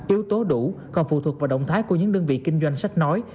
yếu tố đủ còn phụ thuộc vào động thái của những đơn vị kinh doanh sách nói